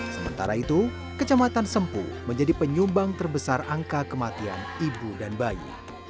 sementara itu kecamatan sempu menjadi penyumbang terbesar angka kematian ibu dan bayi